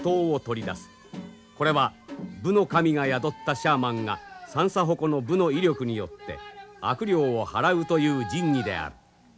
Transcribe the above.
これは武の神が宿ったシャーマンが三叉鉾の武の威力によって悪霊をはらうという神器である。